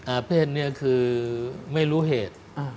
อาเพศคือไม่รู้เหตุ